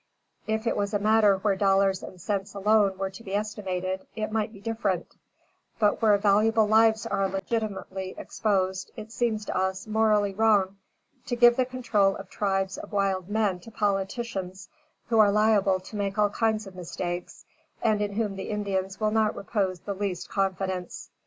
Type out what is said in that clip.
If it was a matter where dollars and cents alone were to be estimated, it might be different; but where valuable lives are legitimately exposed, it seems to us morally wrong to give the control of tribes of wild men to politicians, who are liable to make all kinds of mistakes, and in whom the Indians will not repose the least confidence.